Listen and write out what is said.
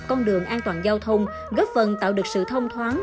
con đường an toàn giao thông góp phần tạo được sự thông thoáng